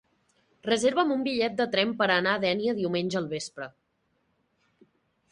Reserva'm un bitllet de tren per anar a Dénia diumenge al vespre.